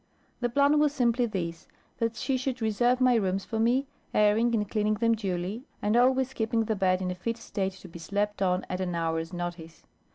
The plan was simply this, that she should reserve my rooms for me, airing and cleaning them duly, and always keeping the bed in a fit state to be slept on at an hour's notice.